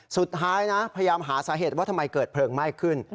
สุดท้ายนะพยายามหาสาเหตุว่าทำไมเกิดเพลิงไหม้ขึ้น